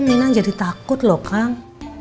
minang jadi takut loh kang